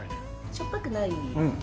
しょっぱくないんで。